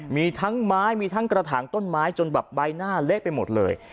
มีทั้งไม้มีทั้งกระถางต้นไม้จนแบบใบหน้าเละไปหมดเลย